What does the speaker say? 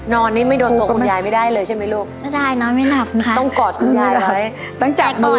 นอนนี่ไม่โดนตัวคุณยายไม่ได้เลยใช่มั้ยลูก